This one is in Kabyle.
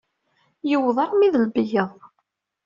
Yewweḍ armi d Lbeyyeḍ.